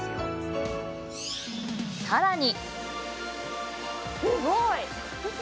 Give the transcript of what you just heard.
さらに。